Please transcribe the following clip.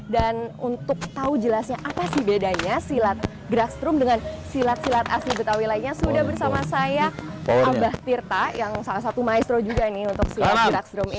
dan untuk tahu jelasnya apa sih bedanya silat gerak strung dengan silat silat asli betawi lainnya sudah bersama saya ambah tirta yang salah satu maestro juga ini untuk silat gerak strung ini